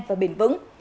và bền vững